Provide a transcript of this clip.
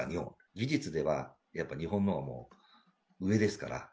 技術ではやっぱり日本のほうがもう上ですから。